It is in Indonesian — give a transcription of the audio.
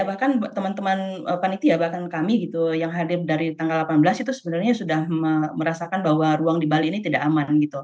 bahkan teman teman panitia bahkan kami gitu yang hadir dari tanggal delapan belas itu sebenarnya sudah merasakan bahwa ruang di bali ini tidak aman gitu